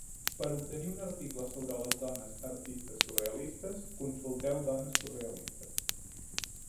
Per obtenir un article sobre les dones artistes surrealistes, consulteu dones surrealistes.